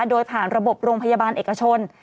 โดยผ่านระบบโรงพยาบาลเอกชน